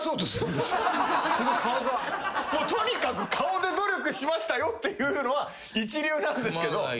とにかく顔で努力しましたよっていうのは一流なんですけど。